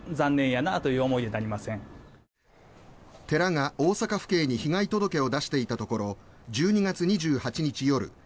寺が大阪府警に被害届を出していたところ１２月２８日夜